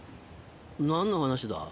何の話だ。